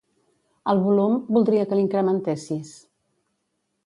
El volum, voldria que l'incrementessis.